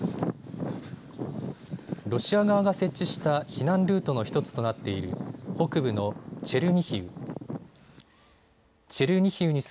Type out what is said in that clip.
ロシア側が設置した避難ルートの１つとなっている北部のチェルニヒウ。